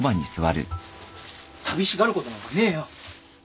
寂しがることなんかねえよ。